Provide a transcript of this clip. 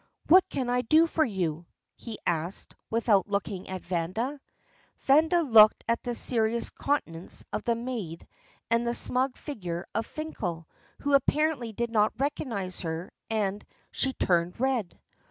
"What can I do for you?" he asked, without looking at Vanda. Vanda looked at the serious countenance of the maid and the smug figure of Finkel, who apparently did not recognize her, and she turned red.